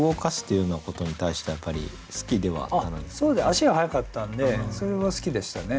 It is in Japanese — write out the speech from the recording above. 足が速かったんでそれは好きでしたね。